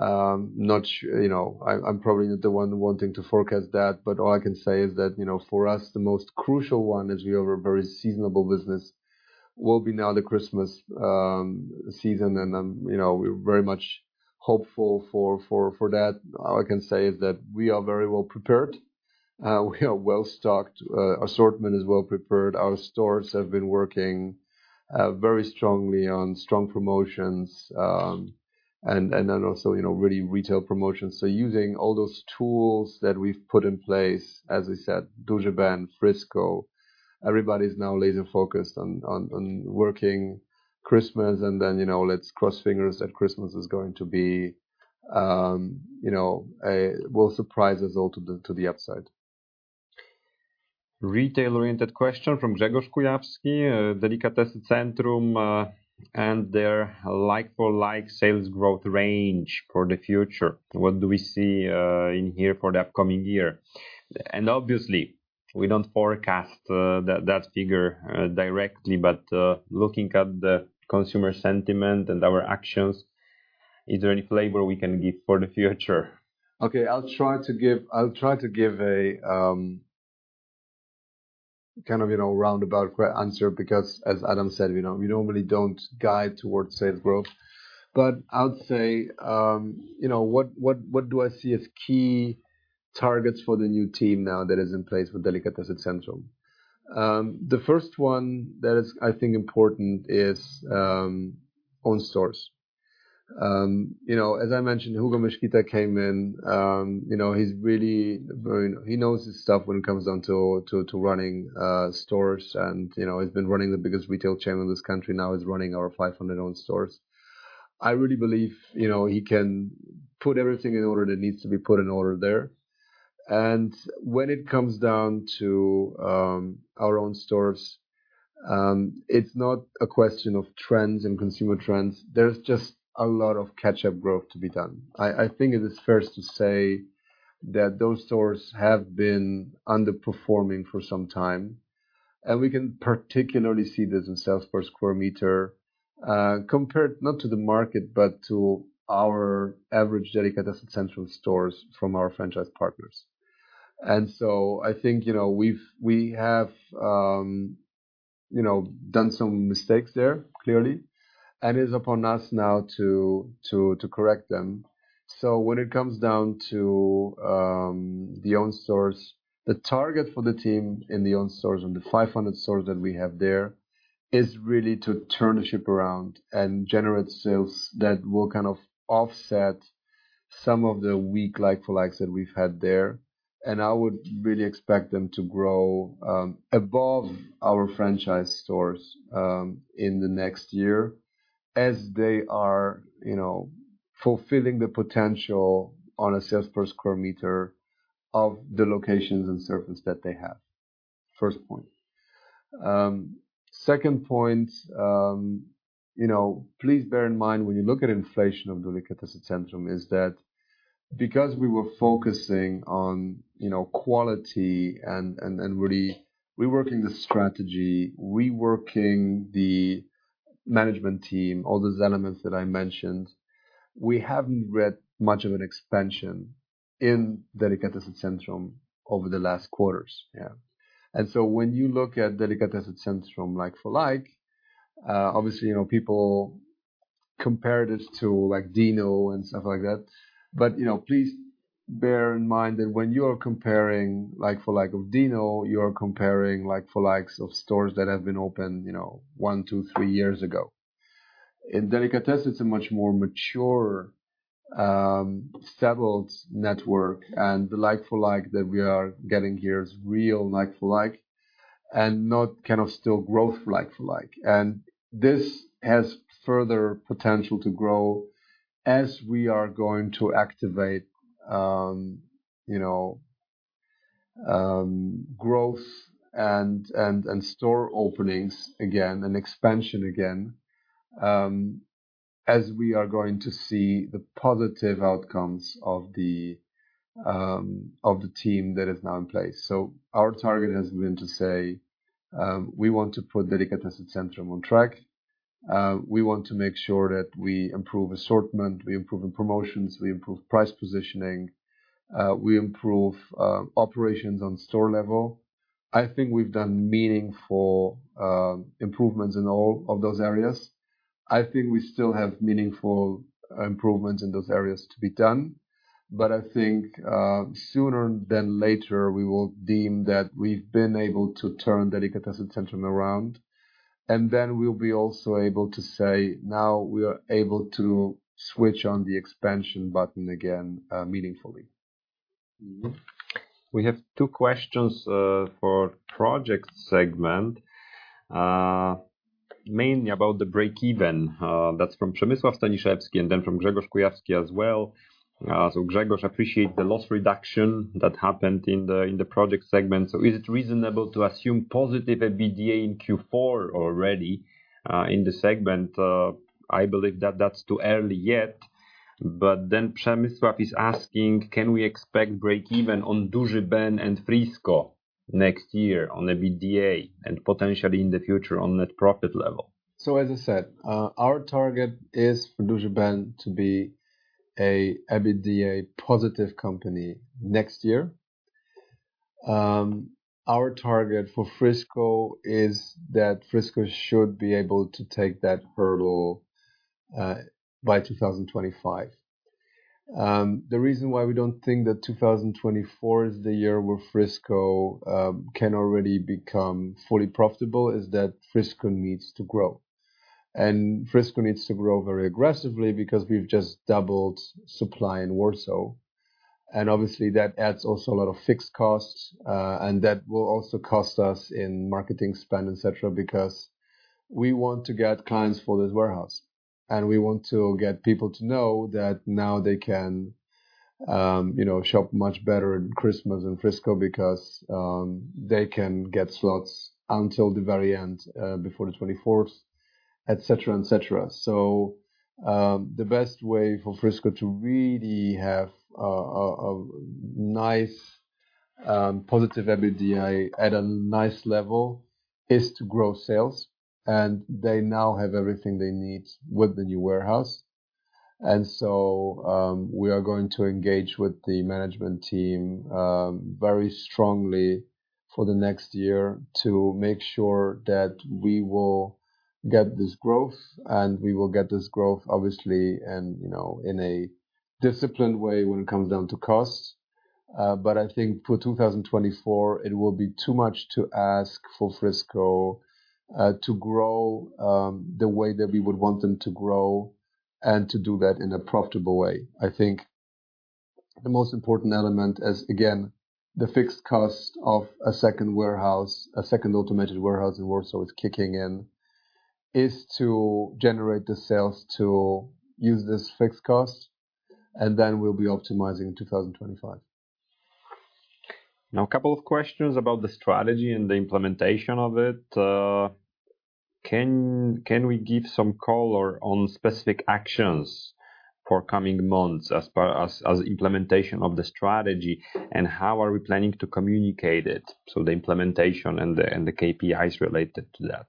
Not sure, you know, I'm probably not the one wanting to forecast that, but all I can say is that, you know, for us, the most crucial one, as we are a very seasonal business, will be now the Christmas season. You know, we're very much hopeful for that. All I can say is that we are very well prepared. We are well-stocked, assortment is well prepared. Our stores have been working very strongly on strong promotions, and then also, you know, really retail promotions. So using all those tools that we've put in place, as I said, Duży Ben, Frisco, everybody's now laser-focused on working Christmas, and then, you know, let's cross fingers that Christmas is going to be... will surprise us all to the upside. Retail-oriented question from Grzegorz Kujawski, Delikatesy Centrum, and their like-for-like sales growth range for the future. What do we see in here for the upcoming year? And obviously, we don't forecast that, that figure directly, but looking at the consumer sentiment and our actions, is there any flavor we can give for the future? Okay, I'll try to give, I'll try to give a, kind of, you know, roundabout answer because as Adam said, you know, we normally don't guide towards sales growth. But I would say, you know, what do I see as key targets for the new team now that is in place with Delikatesy Centrum? The first one that is, I think, important is owned stores. You know, as I mentioned, Hugo Mesquita came in. You know, he's really very... He knows his stuff when it comes down to running stores and, you know, he's been running the biggest retail chain in this country. Now he's running our 500 owned stores. I really believe, you know, he can put everything in order that needs to be put in order there. And when it comes down to our own stores, it's not a question of trends and consumer trends; there's just a lot of catch-up growth to be done. I, I think it is fair to say that those stores have been underperforming for some time, and we can particularly see this in sales per square meter compared not to the market, but to our average Delikatesy Centrum stores from our franchise partners. And so I think, you know, we've, we have, you know, done some mistakes there, clearly, and it's upon us now to, to, to correct them. When it comes down to the owned stores, the target for the team in the owned stores and the 500 stores that we have there, is really to turn the ship around and generate sales that will kind of offset some of the weak like-for-likes that we've had there. I would really expect them to grow above our franchise stores in the next year, as they are, you know, fulfilling the potential on a sales per square meter of the locations and surface that they have. First point. Second point, you know, please bear in mind when you look at inflation of Delikatesy Centrum is that because we were focusing on, you know, quality and really reworking the strategy, reworking the management team, all those elements that I mentioned, we haven't had much of an expansion in Delikatesy Centrum over the last quarters. Yeah. And so when you look at Delikatesy Centrum like-for-like, obviously, you know, people compare this to, like, Dino and stuff like that. But, you know, please bear in mind that when you are comparing like-for-like of Dino, you are comparing like-for-likes of stores that have been open, you know, one, two, three years ago. In Delikatesy, it's a much more mature, settled network, and the like-for-like that we are getting here is real like-for-like, and not kind of still growth like-for-like. And this has further potential to grow as we are going to activate, you know, growth and store openings again, and expansion again, as we are going to see the positive outcomes of the team that is now in place. So our target has been to say, we want to put Delikatesy Centrum on track. We want to make sure that we improve assortment, we improve the promotions, we improve price positioning, we improve operations on store level. I think we've done meaningful improvements in all of those areas. I think we still have meaningful, improvements in those areas to be done, but I think, sooner than later, we will deem that we've been able to turn Delikatesy Centrum around, and then we'll be also able to say, "Now we are able to switch on the expansion button again, meaningfully. Mm-hmm. We have two questions for project segment, mainly about the break even. That's from Przemysław Staniszewski, and then from Grzegorz Kujawski as well. So Grzegorz appreciate the loss reduction that happened in the, in the project segment. So is it reasonable to assume positive EBITDA in Q4 already, in the segment? I believe that that's too early yet, but then Przemysław is asking: Can we expect break even on Duży Ben and Frisco next year on the EBITDA and potentially in the future on net profit level? As I said, our target is for Duży Ben to be an EBITDA-positive company next year. Our target for Frisco is that Frisco should be able to take that hurdle by 2025. The reason why we don't think that 2024 is the year where Frisco can already become fully profitable is that Frisco needs to grow. Frisco needs to grow very aggressively because we've just doubled supply in Warsaw, and obviously, that adds also a lot of fixed costs. And that will also cost us in marketing spend, et cetera, because we want to get clients for this warehouse, and we want to get people to know that now they can, you know, shop much better at Christmas in Frisco because they can get slots until the very end, before the twenty-fourth, et cetera, et cetera. So, the best way for Frisco to really have a nice positive EBITDA at a nice level is to grow sales, and they now have everything they need with the new warehouse. And so, we are going to engage with the management team very strongly for the next year to make sure that we will get this growth. And we will get this growth, obviously, and, you know, in a disciplined way when it comes down to costs. I think for 2024, it will be too much to ask for Frisco to grow the way that we would want them to grow and to do that in a profitable way. I think the most important element is, again, the fixed cost of a second warehouse, a second automated warehouse in Warsaw is kicking in, is to generate the sales to use this fixed cost, and then we'll be optimizing in 2025. Now, a couple of questions about the strategy and the implementation of it. Can we give some color on specific actions for coming months as far as implementation of the strategy, and how are we planning to communicate it, so the implementation and the KPIs related to that?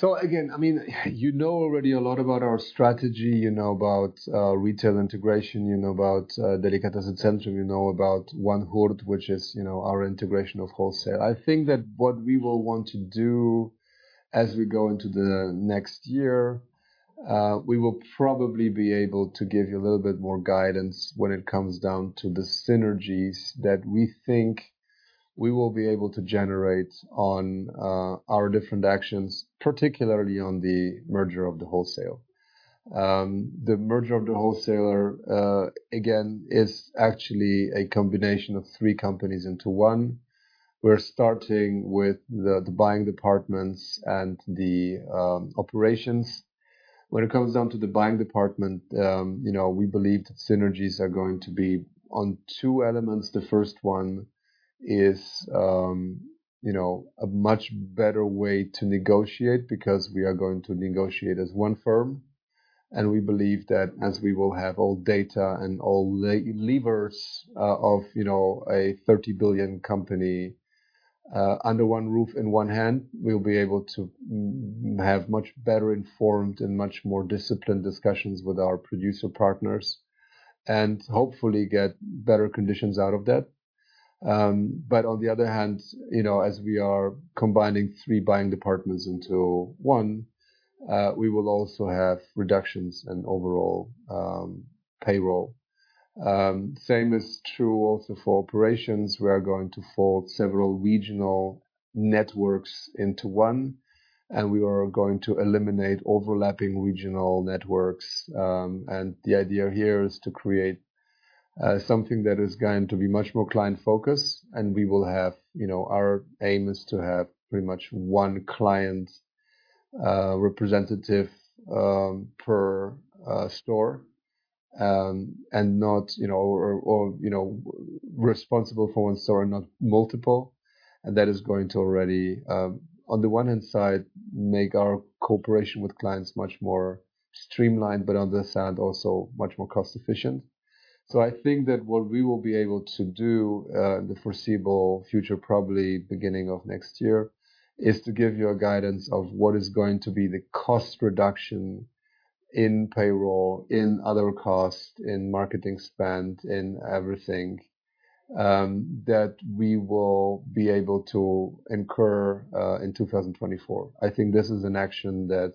So again, I mean, you know already a lot about our strategy. You know about retail integration, you know about Delikatesy Centrum, you know about One Wholesale which is, you know, our integration of wholesale. I think that what we will want to do as we go into the next year, we will probably be able to give you a little bit more guidance when it comes down to the synergies that we think we will be able to generate on our different actions, particularly on the merger of the wholesale. The merger of the wholesaler, again, is actually a combination of three companies into one. We're starting with the buying departments and the operations. When it comes down to the buying department, you know, we believe that synergies are going to be on two elements. The first one is, you know, a much better way to negotiate because we are going to negotiate as one firm, and we believe that as we will have all data and all levers of, you know, a 30 billion company under one roof, in one hand, we'll be able to have much better informed and much more disciplined discussions with our producer partners, and hopefully get better conditions out of that. But on the other hand, you know, as we are combining three buying departments into one, we will also have reductions in overall payroll. Same is true also for operations. We are going to fold several regional networks into one, and we are going to eliminate overlapping regional networks. And the idea here is to create something that is going to be much more client-focused, and we will have... You know, our aim is to have pretty much one client representative per store, and not, you know, responsible for one store and not multiple. And that is going to already on the one hand side make our cooperation with clients much more streamlined, but on the other side, also much more cost-efficient. So I think that what we will be able to do in the foreseeable future, probably beginning of next year, is to give you a guidance of what is going to be the cost reduction in payroll, in other costs, in marketing spend, in everything that we will be able to incur in 2024. I think this is an action that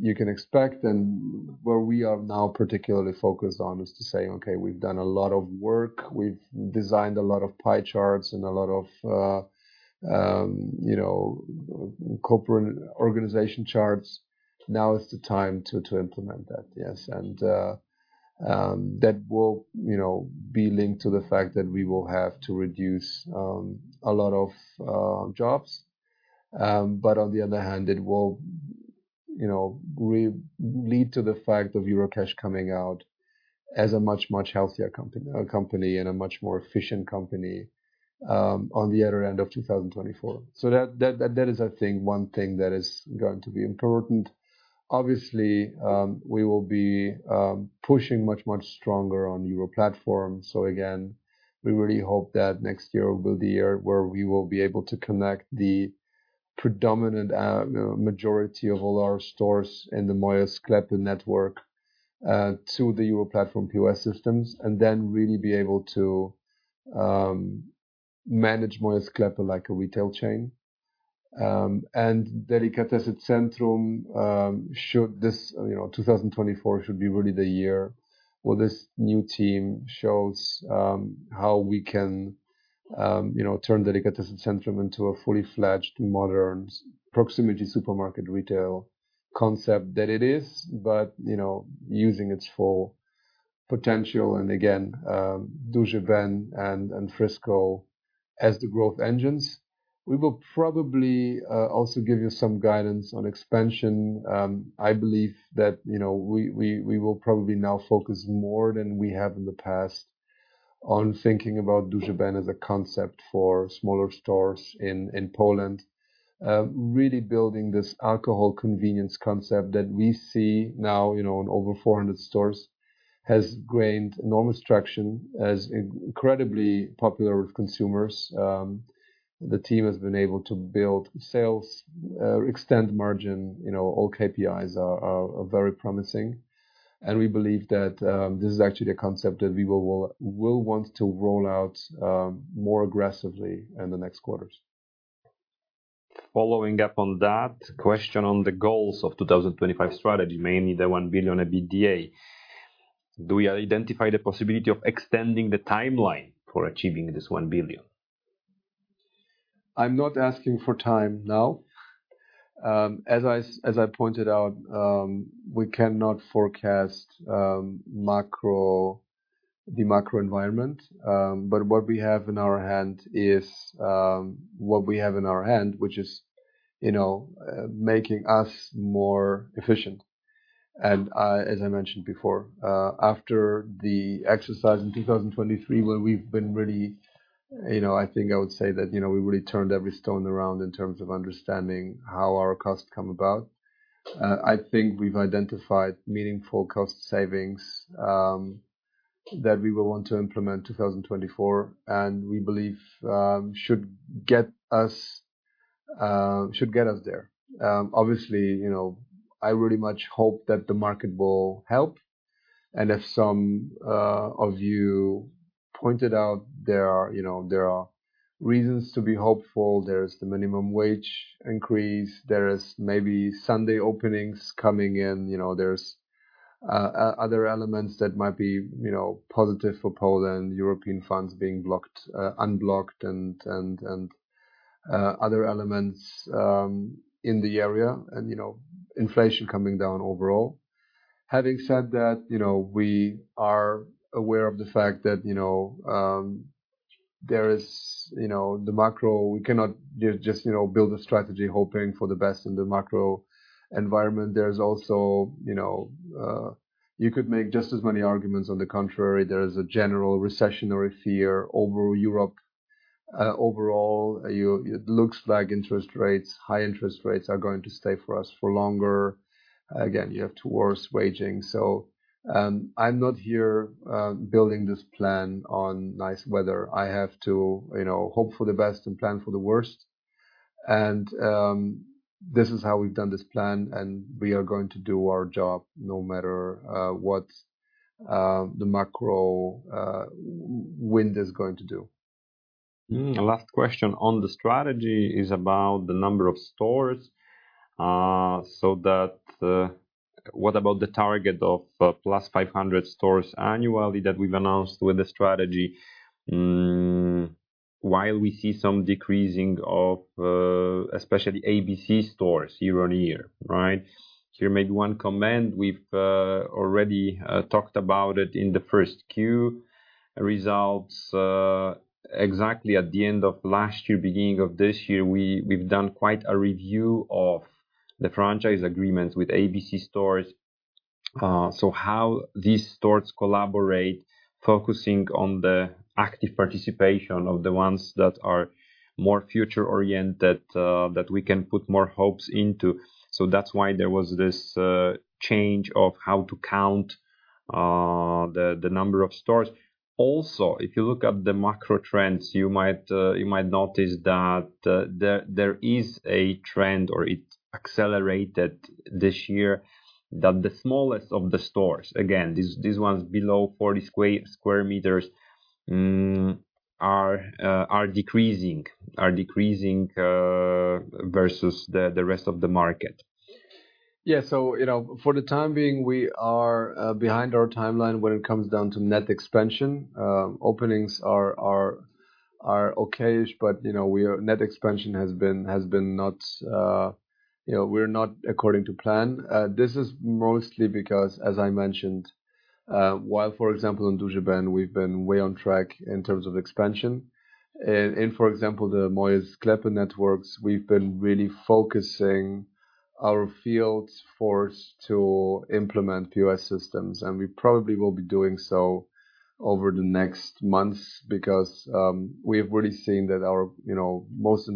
you can expect, and where we are now particularly focused on, is to say, "Okay, we've done a lot of work. We've designed a lot of pie charts and a lot of, you know, corporate organization charts. Now is the time to implement that." Yes, and that will, you know, be linked to the fact that we will have to reduce a lot of jobs. But on the other hand, it will, you know, lead to the fact of Eurocash coming out as a much, much healthier company, a company, and a much more efficient company on the other end of 2024. So that is, I think, one thing that is going to be important. Obviously, we will be pushing much, much stronger on EuroPlatform. So again, we really hope that next year will be the year where we will be able to connect the predominant, you know, majority of all our stores in the Moje Sklepy network to the EuroPlatform POS systems, and then really be able to manage Moje Sklepy like a retail chain. And Delikatesy Centrum should this, you know, 2024 should be really the year where this new team shows how we can, you know, turn Delikatesy Centrum into a fully fledged, modern, proximity supermarket retail concept that it is, but, you know, using its full potential, and again, Duży Ben and Frisco as the growth engines. We will probably also give you some guidance on expansion. I believe that, you know, we will probably now focus more than we have in the past on thinking about Duży Ben as a concept for smaller stores in Poland. Really building this alcohol convenience concept that we see now, you know, in over 400 stores, has gained enormous traction, as incredibly popular with consumers. The team has been able to build sales, extend margin, you know, all KPIs are very promising. And we believe that, this is actually a concept that we will want to roll out, more aggressively in the next quarters. Following up on that, question on the goals of 2025 strategy, mainly the 1 billion EBITDA. Do we identify the possibility of extending the timeline for achieving this 1 billion? I'm not asking for time now. As I, as I pointed out, we cannot forecast the macro environment, but what we have in our hand is what we have in our hand, which is, you know, making us more efficient. As I mentioned before, after the exercise in 2023, where we've been really, you know, I think I would say that, you know, we really turned every stone around in terms of understanding how our costs come about. I think we've identified meaningful cost savings that we will want to implement 2024, and we believe should get us, should get us there. Obviously, you know, I really much hope that the market will help, and as some of you pointed out, there are, you know, there are reasons to be hopeful. There is the minimum wage increase, there is maybe Sunday openings coming in, you know, there's other elements that might be, you know, positive for Poland, European funds being blocked, unblocked, and other elements in the area and, you know, inflation coming down overall. Having said that, you know, we are aware of the fact that, you know, there is, you know, the macro, we cannot just, you know, build a strategy hoping for the best in the macro environment. There's also, you know, you could make just as many arguments on the contrary. There is a general recessionary fear over Europe. Overall, it looks like interest rates, high interest rates, are going to stay for us for longer. Again, you have two wars waging, so I'm not here building this plan on nice weather. I have to, you know, hope for the best and plan for the worst. And this is how we've done this plan, and we are going to do our job no matter what the macro wind is going to do. Last question on the strategy is about the number of stores. So that, what about the target of +500 stores annually that we've announced with the strategy? While we see some decreasing of, especially ABC stores year-over-year, right? Here, made one comment. We've already talked about it in the first Q results. Exactly at the end of last year, beginning of this year, we've done quite a review of the franchise agreements with ABC stores. So how these stores collaborate, focusing on the active participation of the ones that are more future-oriented, that we can put more hopes into. So that's why there was this change of how to count the number of stores. Also, if you look at the macro trends, you might notice that there is a trend, or it accelerated this year, that the smallest of the stores, again, these ones below 40 square meters, are decreasing. Are decreasing versus the rest of the market. Yeah. So, you know, for the time being, we are behind our timeline when it comes down to net expansion. Openings are okay-ish, but, you know, we are... Net expansion has been not, you know, we're not according to plan. This is mostly because, as I mentioned, while, for example, in Duży Ben, we've been way on track in terms of expansion. And, and for example, the Moje Sklepy networks, we've been really focusing our field sales force to implement POS systems, and we probably will be doing so over the next months, because we have already seen that our, you know, most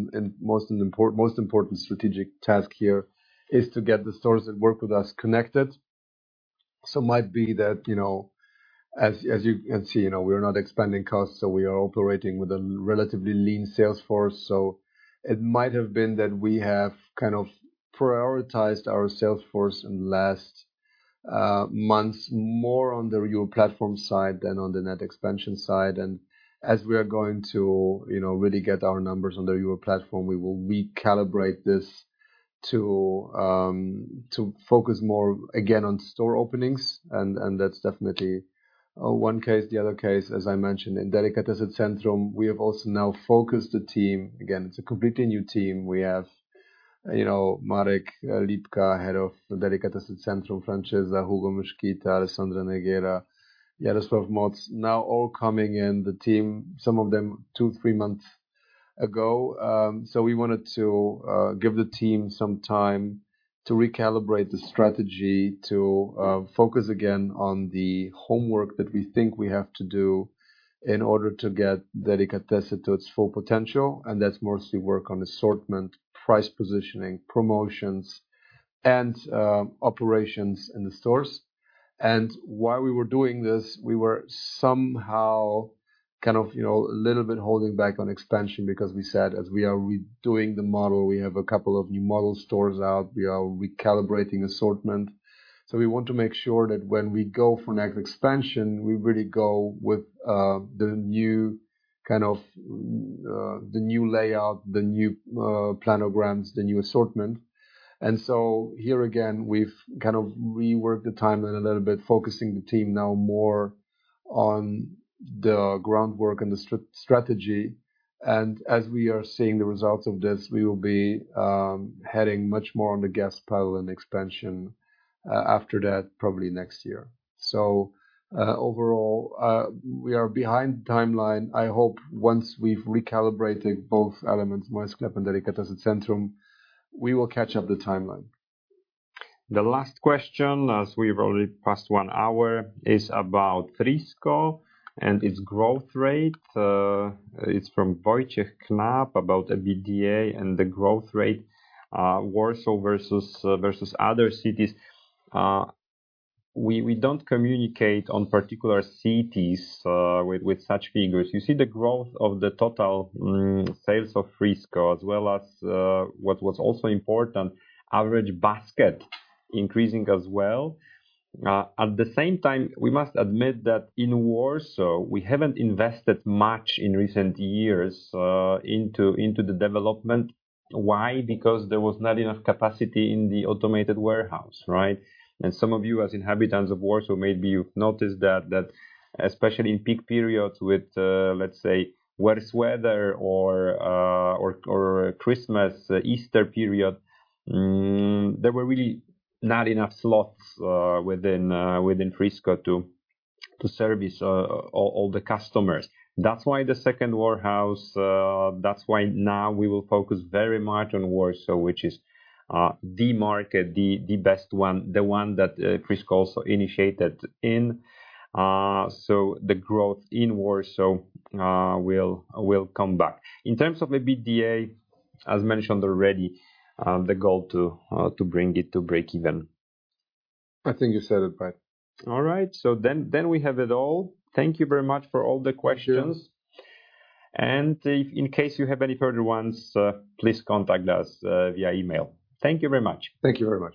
important strategic task here is to get the stores that work with us connected. So might be that, you know, as, as you can see, you know, we are not expanding costs, so we are operating with a relatively lean sales force. So it might have been that we have kind of prioritized our sales force in the last months, more on the EuroPlatform side than on the net expansion side. And as we are going to, you know, really get our numbers on the EuroPlatform, we will recalibrate this to focus more, again, on store openings, and that's definitely one case. The other case, as I mentioned, in Delikatesy Centrum, we have also now focused the team. Again, it's a completely new team. We have, you know, Marek Lipka, head of Delikatesy Centrum, Francisca, Hugo Mesquita, Alessandra Nogueira, Jarosław Motz, now all coming in the team, some of them two, three months ago. So we wanted to give the team some time to recalibrate the strategy, to focus again on the homework that we think we have to do in order to get Delikatesy to its full potential, and that's mostly work on assortment, price positioning, promotions, and operations in the stores. And while we were doing this, we were somehow kind of, you know, a little bit holding back on expansion because we said, as we are redoing the model, we have a couple of new model stores out. We are recalibrating assortment. So we want to make sure that when we go for next expansion, we really go with the new kind of the new layout, the new planograms, the new assortment. And so here again, we've kind of reworked the timeline a little bit, focusing the team now more on the groundwork and the strategy. As we are seeing the results of this, we will be heading much more on the gas pedal and expansion after that, probably next year. So, overall, we are behind the timeline. I hope once we've recalibrated both elements, Moje Sklepy and Delikatesy Centrum, we will catch up the timeline. The last question, as we've already passed one hour, is about Frisco and its growth rate. It's from Wojciech Knap, about EBITDA and the growth rate, Warsaw versus other cities. We don't communicate on particular cities, with such figures. You see the growth of the total sales of Frisco, as well as what was also important, average basket increasing as well. At the same time, we must admit that in Warsaw, we haven't invested much in recent years, into the development. Why? Because there was not enough capacity in the automated warehouse, right? Some of you, as inhabitants of Warsaw, maybe you've noticed that especially in peak periods with, let's say, worse weather or Christmas, Easter period, there were really not enough slots within Frisco to service all the customers. That's why the second warehouse... That's why now we will focus very much on Warsaw, which is the market, the best one, the one that Frisco also initiated in. So the growth in Warsaw will come back. In terms of EBITDA, as mentioned already, the goal to bring it to breakeven. I think you said it right. All right, so then, then we have it all. Thank you very much for all the questions. Thank you. If in case you have any further ones, please contact us via email. Thank you very much. Thank you very much.